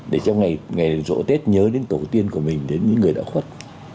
để trong ngày rộ tết nhớ đến tổ tiên của mình đến những người đã khuất